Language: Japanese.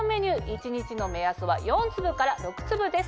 一日の目安は４粒から６粒です。